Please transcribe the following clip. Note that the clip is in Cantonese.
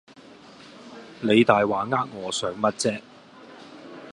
你大話呃我想乜啫